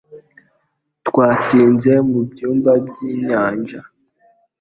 Twatinze mu byumba by'inyanja